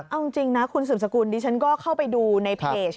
เอาจริงนะคุณสืบสกุลดิฉันก็เข้าไปดูในเพจ